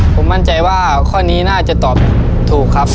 ผมมั่นใจว่าข้อนี้น่าจะตอบถูกครับ